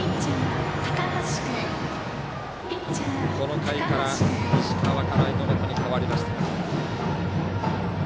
この回から石川から猪俣に代わりました。